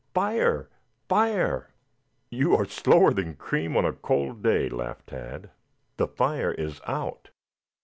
"Fire, fire!" "You are slower than cream on a cold day," laughed Tad. "The fire is out."